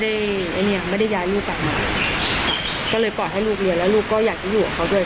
ก็เลยปล่อยให้ลูกเรียนแล้วลูกก็อยากจะอยู่กับเขาด้วย